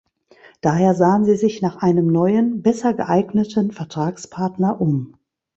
Daher sahen sie sich nach einem neuen, besser geeigneten Vertragspartner um.